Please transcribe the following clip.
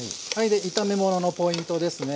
で炒め物のポイントですね。